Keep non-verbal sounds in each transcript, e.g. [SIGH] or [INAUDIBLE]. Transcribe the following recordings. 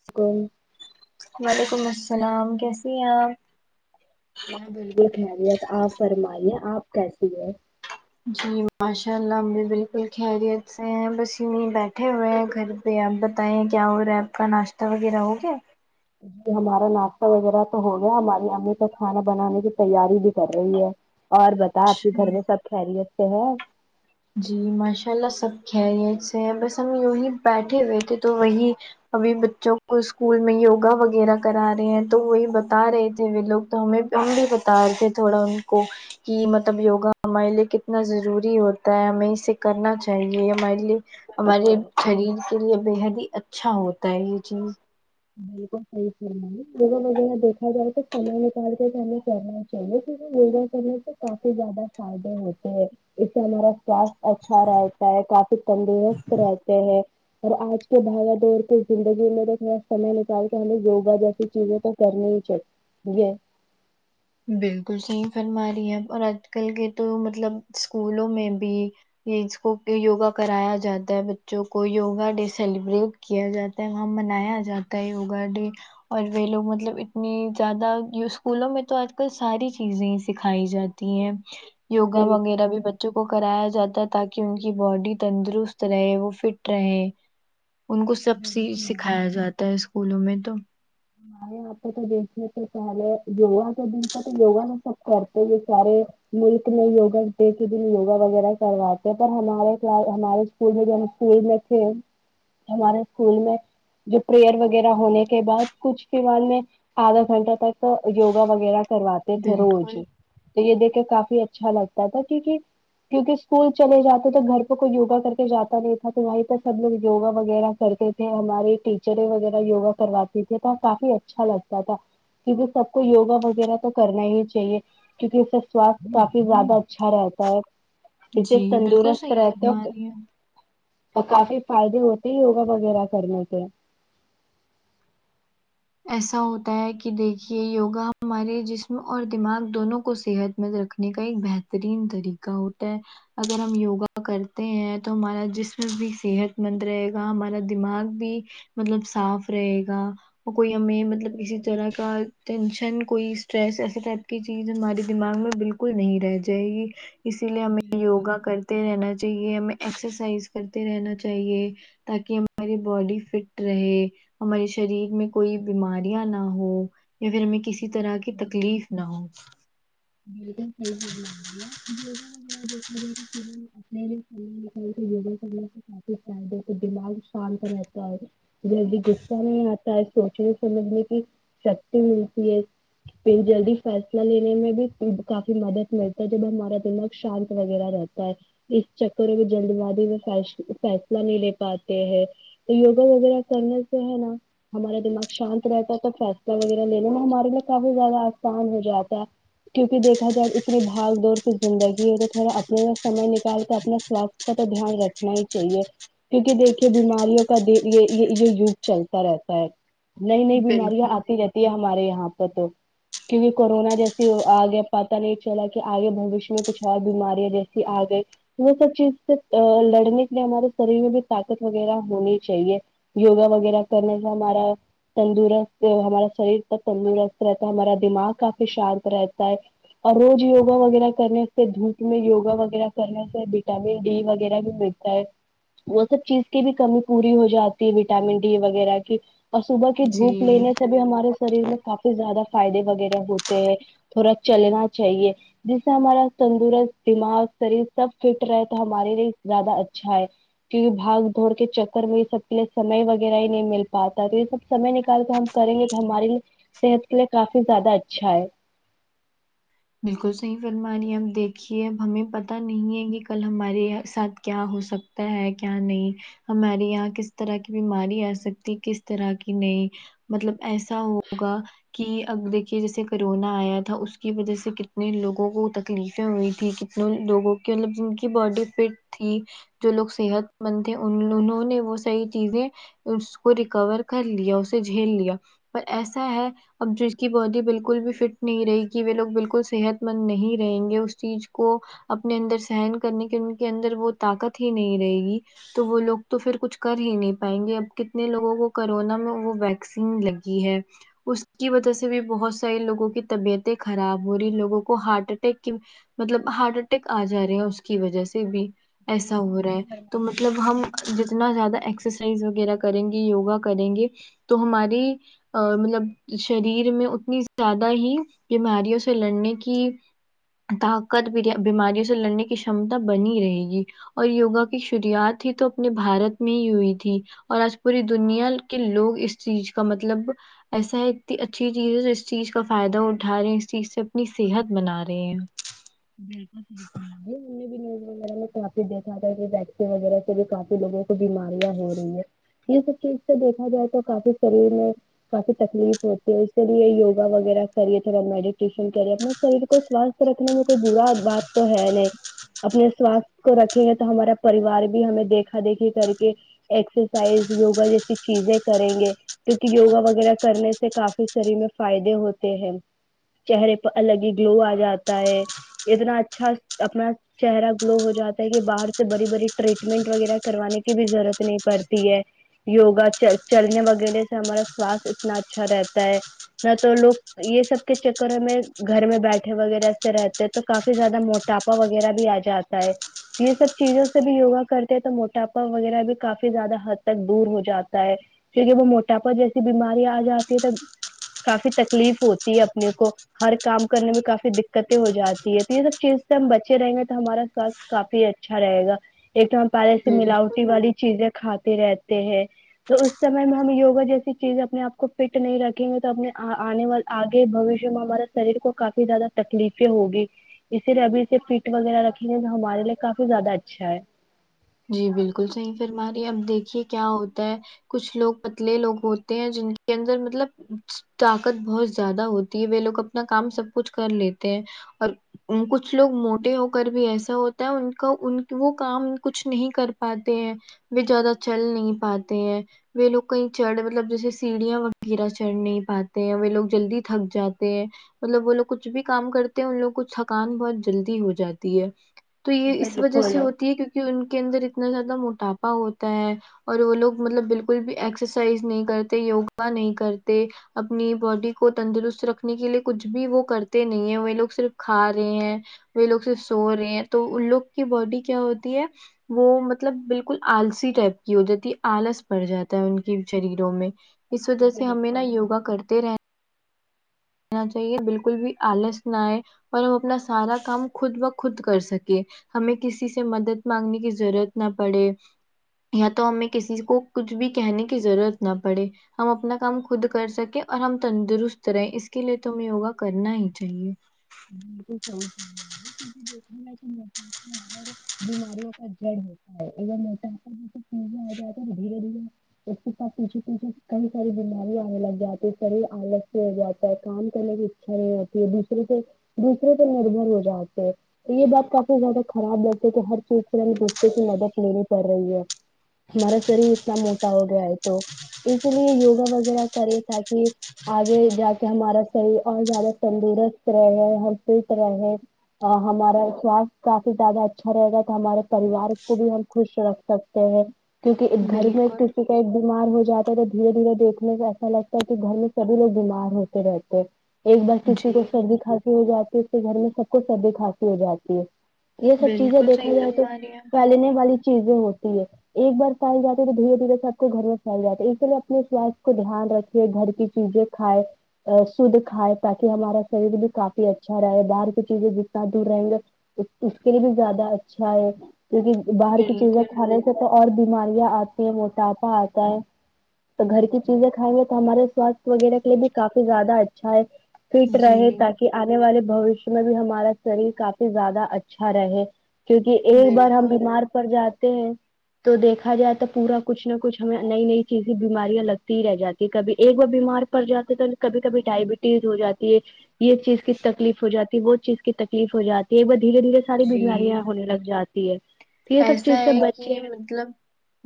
school وعلیکم السلام کیسی ہیں آپ میں بالکل خیریت آپ فرمائیے آپ کیسی ہے جی ماشاء اللہ ہم بھی بالکل خیریت سے ہیں بس یوہی بیٹھے ہوئے ہیں گھر میں تو آپ بتائیں کیا ہو رہا آپ کا ناشتہ وغیرہ ہو گیا جی ہمارا ناشتہ وغیرہ تو ہو گیا ہماری امی تو کھانا بنانے کی تیاری بھی کر رہی ہے اور بتا آپ کے گھر اچھا میں سب خیریت سے ہیں جی ماشاء اللہ سب خیریت سے ہیں بس ہم یوہی بیٹھے ہوئے تھے تو وہی ابھی بچوں کو اسکول میں یوگا وغیرہ کرا رہے ہیں تو وہی بتا رہے تھے وہ لوگ تو ہمیں ہم بھی بتا رہے تھے تھوڑا ان کو کہ مطلب یوگا ہمارے لیے کتنا ضروری ہوتا تا ہے ہمیں اسے کرنا چاہیے ہمارے لیے ہمارے ہے شریر تو یہ بے حد ہی اچھا ہوتا ہے یہ چیز بالکل صحیح فرما رہی ہیں [UNINTELLIGIBLE] دیکا جائے تو سمے نکال کے کہ ہمیں کرنا چلے سے وگا کرنے سے کافی زیادہ فائدے ہوتے ہیں اس سے ہمارا سواستھ اچھا رہتا ہے کافی تندرست رہتے ہیں اور آج کے بھاگا دور کے زندگی میں تو تھوڑا سمے لگتا سارے پہلے یوگا جیسی چیزیں تو کرنی ہی چاہیتی بالکل صحیح فرما رہی ہے اور آج کل کے تو مطلب اسکولوں میں بھی یہ اس کو کہ یوگا کرایا جاتا ہے بچوں کو یوگا ڈے سیلیبریٹ کیا جاتا ہے وہا منایا جاتا ہے یوگا ڈے اور وہ لوگ مطلب اتنی زیادہ یہ اسکولوں میں تو آج ساری چیزیں سکھائی جاتی ہیں یوگا بالکل وغیرہ بھی ب بچوں کو کرایا جاتا ہے تاکہ ان کی باڈی تندرست رہے وہ فٹ رہے ان کو سب سی بالکل سکھایا جاتا ہے اسکولوں میں تو [UNINTELLIGIBLE] آپ تو دیکھنے تھے پہلے یوگا کا دن تھا تو یوگا تو سب کرتے ہی سارے ملک میں وگا د کے دن وگا وغیرہ کرواتے ہیں پر ہمارے ہمارے [UNINTELLIGIBLE] ہمارے اسکول میں جو پریئر وغیرہ ہونے کے بعد کچھ کے بعد میں آدھا گھنٹہ تک یوگا وغیرہ کرواتے تھے روز بالکل تو یہ دیکھ کے کافی اچھا لگتا تھا کیونکہ کیوںکہ اسکول چے جاتے تو گھر پہ کوئی یوگا کر کے جاتا نہیں تھا تو وہیں پر سب لوگ وگا وغیرہ کرتے ہماراری ٹیچریں وغیرہ یوگا کرواتی تھے تو کافی اچھا لگتا تھا کیونکہ سب کو یوگا وغیرہ تو کرنا ہی چاہیے کیونکہ اس کا سواستھ کافی زیادہ اچھا رہتا ہے اس سے جی بالکل تندرست صحیح رہتے فرما رہی ہیں اور کافی فائدے ہوتے ہیں یوگا وغیرہ کرنے سے ایسا ہوتا ہے کہ دیکھیے یوگا ہمارے جسم اور دماغ دونوں کو صحت مند رکھ رنے کا ایک بہترین طریقہ ہوتا ہے اگر ہم یوگا کرتے ہیں تو ہمارا جسم بھی صحت مند رہے گا ہمارا دماغ بھی مطلب صاف رہے گا کوئی ہمیں مطلب کسی طرح کا ٹینشن کوئی اسٹریس ایسے ٹائپ کی چیز ہمارے دماغ میں بالکل کل نہیں رہ جائے گی اسی لیے ہمیں یوگا کر ت رہنا چاہیے ہمیں ایکسرسائز کرتے رہنا چاہیے تاکہ ہماری باڈی فٹ رہے ہمارے شریر میں کوئی بیماریاں نہ ہو یا پھر ہمیں کسی طرح کی تکلیف نہ ہو [UNINTELLIGIBLE] اپنے لینے [UNINTELLIGIBLE] یوگا کرنے سے کافی فائدے تو دماغ شانت رہتا ہے جلدہی غصہ نہیں آتا ہے سوچنے سمجھنے کی شکتی ملتی ہے پھر جلدی فیصلہ لینے میں بھی کافی مدد ملتا ہے جب ہمارا دماغ شانت وغیرہ رہتا ہے اس چکر میں جلد بازی میں ف فیصلہ نہیں لے پاتے ہیں یوگا وغیرہ کرنے سے ہے نہ ہمارا دماغ شانت رہتا ہے تو فیصلہ وغیرہ لینے میں ہمارے لیے کافی زیادہ آسان ہو جاتا ہے کیوںکہ دیکھا جائے استنی بھاگ دور کی زندگی ہے تو تھوڑا اپنے لیے سمے نکال کے اپنے سو کا تو دھیان رکھنا ہی چاہیے کیونکہ دیکھیے بیماریوں کا د یہ یہ یگ چلتا رہتا ہے نئی نئی بیماریاں بالکل آتی رہتی ہے ہمارے یہاں پر تو کیونکہ کورونا جیسے آگے پتا نہیں چلا کہ آگے بوشیہ میں کچھ اور بیماریاں جیسی آگئے وہ سب چیز سے لڑنے کے لیے ہمارے شریر میں بھی طاقت وغیرہ ہونی چاہیے یوگا وغیرہ کرنے سے ہمارا تندرست ہمارا شریرب تندرست رہتا ہے ہمارا دماغ کافی شارپ رہتا ہے اور روز یوگا وغیرہ کرنے سے دھوپ میں یوگا وغیرہ کرنے سے وٹامن ڈی وغیرہ بھی ملتی تا ہے وہ سب چیز کی بھی کمی پوری ہو جاتی ہے وٹامن ڈی وغیرہ کی اور صبح کی دھوپ جی لینے سے بھی ہمارے شریر میں کافی زیادہ فائدے وغیرہ ہوتے ہیں تھوڑا چلنا چاہیے جس سے ہمارا تندرست دماغ شریر سب فٹ رہے تو ہمارے لیے زیادہ اچھا ہے کیونکہ بھگ دوھڑ کے چکر میں یہ سب کے لیے سمے وغیرہ ہی نہیں مل پاتا تو یہ سب سمے نکال کے ہم کریں گے تو ہمارے لیے صحت کے لیے کافی زیادہ اچھا ہے بالکل صحیح فرم رہی ہے اب دیکھیے اب ہمیں پتہ نہیں ہے کہ کل ہمارے ساتھ کیا ہو سکتا تا ہے کیا نہیں ہماری یہاں کس طرح کی بیماری آ سکتی کس طرح کی نئی مطلب ایسا ہوگا کہ اب دیکھیے جیسے کرونا آیا تھا اس کی وجہ سے کتنے لوگوں کو تکلیفیں ہوئی تھی کتنوں لوگوں کی مطلب جن کی باڈی فٹ تھی جو لوگ صحت مند تھے ان انہوں نے وہ صحیح چیزیں اس کو ریکور کر لیا اسے جھیل لیا پر ایسا ہے اب جس کی باڈی بالکل بھی فٹ نہیں رہے گ وہ لوگ بالکل صحت مند نہیں رہیں گے اس چیز کو اپنے اندر سہن کرنے کی ان کے اندر وہ طاقت ہی نہیں رہے گی تو وہ لوگ تو پھر کچھ کر ہی نہیں پائیں گے اب کتنے لوگوں کو کرونا میں وہ ویکسین لگی ہے اس کی وجہ سے بھی بہت ساری لوگوں کی طبیعتیں خراب ہوری لوگوں کو ہارٹ اٹیک کی مطلب ہارٹ اٹیک آ جا رہے ہے اس کی وجہ سے بھی ایسا ہو رہا ہے تو مطلب ہم ج اتنا زیادہ ایکسرسائز وغیرہ کریں گے یوگا کریں گے تو ہماری مطلب شریر میں اتنی زیادہ ہی بیماریوں سے لڑنے کی طاقت بیماریوں سے لڑنے کی شمتا بنی رہے گی اور یوگا کی شروعت ہی تو اپنے بھارت میں ہی ہوئی تھی اور آج پوری دنیا کے لوگ اس چیز کا مطلب ایسا ہے اتنی اچھی چیز ہے جو اس چیز کا فائدہ اٹھا رہے ہیں چیز سے اپنی صحت بنا رہے ہیں بالکل صحیح فرما [INAUDIBLE] [UNINTELLIGIBLE] کافی دیکھا تھا ک ویکسین وغیرہ سے بھی کافی لووں کو بیماریاں ہو رہی ہیں یہ سب چیز سے دیکھا جائے تو کافی شریر میں کافی تکلیف ہوتی ہے اسکے لیے یوگا وغیرہ کریے تھوڑا میڈیٹیشن کرے شریر کو سوستھ رکھنے میں کوئی برا بات تو ہے نہیں اپنے سواستھ کو رکھے ہیں تو ہمارا پریوار بھی ہمیں دیکھا دیکھی کر کے ایکسرسائز یوگا جیسی چیزیں کریں گے کیونکہ یوگا وغیرہ کرنے سے کافی شریر میں فائدے ہوتے ہیں چہرے پر الگ ہی گلو آ جاتا ہے اتنا اچھا اپنا چہرہ گلو ہو جاتا ہے کہ باہر سے بڑی بڑی ٹریٹمنٹ وغیرہ کروانے کی بھی ضرورت نہیں پڑتی ہے یوگا چل چلنے وغیرہ سے ہمارا سواستھ اتنا اچھا رہتا ہے نہ تو لوگ یہ سب کے چکر میں گھر میں بیٹھے وغیرہ سے رہتے پھر تو کافی زیادہ موٹاپا وغیرہ بھی آ جاتا ہے تو یہ سب چیزوں سے بھی یوگا کرتے ہیں تو موٹاپا وغیرہ بھی کافی زیادہ حد تک دور ہو جاتا ہے کیونکہ وہ موٹاپا جیسی بیماریاں آ جاتی ہے تو کافی تکلیف ہوتی ہے اپنے کو ہر کام کرنے میں کافی دقتیں ہوتی جاتی ہے تو یہ سب چیز سے ہم بچے رہیں گے تو ہمارا سواستھ کافی اچھا رہے گا ایک ہم پہلے سے ملاوٹی بالکل والی چیزیں کھاتے رہتے ہیں تو اس سمے میں ہم یوگا جیسی چیزیں اپنے آپ کو فٹ نہیں رکھیں گے تو اپنے آ آنے والے آگے بھوشیہ میں ہمارے شریر کو کافی زیادہ تکلیف سی ہوگی اسی لیے ابھی سے فٹ وغیرہ رکھیں گے تو ہمارے لیے کافی زیادہ اچھا ہے جی بالکل صحیح فرما رہی ہے اب دیکھیے کیا ہوتا ہے کچھ لوگ پتلے لوگ ہوتے ہیں جن کے اندر مطلب طاقت بہت زیادہ ہوتی ہے وہ لوگ اپنا کام سب کچھ کر لیتے ہیں اور کچھ لوگ موٹے ہو کر بھی ایسا ہوتا ہے ان کا ان وہ کام کچھ نہیں کر پاتے ہیں وہ زیادہ چل نہیں پاتے ہیں وہ لوگ کہیں چڑھ مطلب جیسے سیڑھیاں وغیرہ چڑھ نہیں پاتے ہیں وہ لوگ جلدی تھک جاتے ہیں مطلب وہ لوگ کچھ بھی کام کرتے ہیں ان لوگ کو تھکان بہت جلدی ہو جاتی ہے تو یہ اس وجہ سے بالکل ہوتی ہے کیونکہ ان کے اندر اتنا زیادہ موٹاپا ہوتا ہے اور وہ لوگ مطلب بالکل بھی ایکسرسائز نہیں کرتے یوگا نہیں کرتے اپنی باڈی کو تندرست رکھنے کے لیے کچھ بھی وہ کرتے نہیں ہیں وہ لوگ صرف کھا رہے ہیں وہ لوگ صرف سو رہے ہیں تو ان لوگ کی باڈی کیا ہوتی ہے وہ مطلب بالکل آلسی ٹائپ کی ہو جاتی ہے آلس پڑ جاتا ہے ان کی شریروں میں اس وجہ سے ہمیں نا بالکل یوگا کرتے رہے چاہیے بالکل بھی آلس نہ آئے اور وہ اپنا سارا کام خود بہ خود کر سکے ہمیں کسی سے مدد مانگنے کی ضرورت نہ پڑے یا تو ہمیں کسی کو کچھ بھی کہنے کی ضرورت نہ پڑے ہم اپنا کام خود کر سکیں اور ہم تندرست رہیں اس اس کے لیے تو ہمیں یوگا کرنا ہی چاہیے بالکل صحی دیکھ [UNINTELLIGIBLE] تھائیرائیڈ بیماریوں کا جڑ ہے اگر موٹا پا آ جائے تو دھیرے دھیرے اس کے ساتھ پیچھے پیچھے کئی ساری بیماری آنے لگ جاتی ہے شریر آلس سے ہو جاتا ہے کام کرنے بھی آتی ہے دوسرے سے دوسرے پہ نربھر ہو جاتے یہ بات کافی زیادہ خراب لگتے کہ ہر چیز کے لیے ہمیں دوسروں کی مدد لینی پڑ رہی ہے ہمارا شریر اتنا موٹا ہو گیا ہے تو اس لیے یوگا وغیرہ کرے تاکہ آگے جا کے ہمارا سریر اور زیادہ تندرست رہے ہم فٹ رہے ہمارا سواستھ کافی زیادہ اچھا رہے گا تو ہمارے پریوار کو بھی ہم خوش رکھ سکتے کیونکہ ایک گھر میں ہے بالکل تو پھر ایک بیمار ہو جاتا ہے تو دھیرے دھیرے دیکھنے میں ایسا لگتا ہے کہ گھر میں سبھی لوگ بیمار ہوتے رہتے ایک بار کسی جی کو سردی کھانسی ہو جاتی ہے اس کے گھر میں سب کو سردی کھانسی ہو جاتی ہے یہ سب چیزیں بالکل دیکھا صحیح جائے تو فرما رہی ہیں پھیلنے والی چیزیں ہوتی ہے ایک بار پھیل جات ہے تو دھیرے ایک ایک بار ایک بار پھیل جاتی ہے تو دھیرے دھیرے سب کو گھر میں پھیل جاتا ہے اسی لیے اپنے سواستھ کو دھیان رکھیے گھر کی چیزیں کھائے شہید کھائے تاکہ ہمارا شریر بھی کافی اچھا رہے باہر کی چیزیں جتنا دور رہیں گے اس کے لیے بھی زیادہ اچھا ہے کیونکی باہر کی چیزیں بالکل کھانے تو تو اور بیماریاں آتی ہیں موٹاپا آتا ہے تو گھر کی چیزیں کھائیں گے تو ہمارے سوات وغیرہ کے لیے بھی کافی زیادہ اچھا ہے فٹ جی رہے تاکی آنے والے بوشیہ میں بھی ہمارا شریر کافی زیادہ اچھا رہے کیونکی ایک بار ہم بالکل بیمار پڑ جاتے ہیں تو دیکھا جائے تو پورا کچھ نہ کچھ ہمیں نئی نئی چیز بیماریاں لگتی ہی رہ جاتی کبھی ایک وہ بیمار پڑ جاتے تو کبھی کبھی ڈائبٹیز ہو جاتی ہے یے چیز کی تکلیف ہو جاتی وہ چیز کی تکلیف ہو جاتی ہے بٹ دھیرے دھیرے ساری جی بیماریاں ہونے لگ جاتی تی ہے تو یہ سب ایسا چیز سے ہے کی بچے مطلب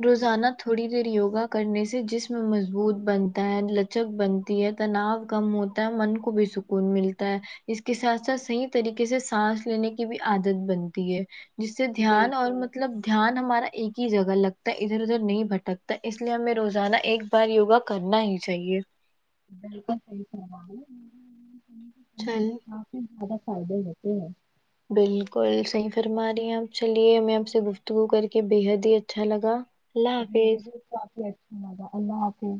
روزانہ تھوڑی دیر یوگا کرنے سے جسم مضبوط بنتا ہے لچک بنتی ہے تناؤ کم ہو تا من کو بھی سکون ملتا ہے اس کے ساتھ ساتھ صحیح طریقے سے سانس لینے کی بھی عادت بنتی ہے جس سے دھیان اور بالکل مطلب دھیان ہمارا ایک ہی جگہ لگتا ہے ادھر ادھر نہیں بھٹکتا اس لیے ہمیں روزانہ ایک بار یوگا کرنا ہی چاہیے بک چھان کافی زیادہ فائدے ہوتے ہیں بالکل صحیح فرما رہی ہیں آپ چلیے ہمیں آپ سے گفتگو کر کے بےحد ہی اچھا لگا اللہ حافظ [UNINTELLIGIBLE] اللہ حافظ